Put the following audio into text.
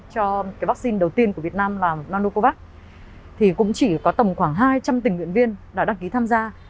cho cái vaccine đầu tiên của việt nam là nanocovax thì cũng chỉ có tầm khoảng hai trăm linh tình nguyện viên đã đăng ký tham gia